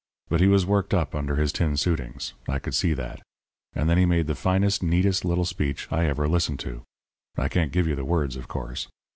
But he was worked up under his tin suitings; I could see that. And then he made the finest, neatest little speech I ever listened to. I can't give you the words, of course.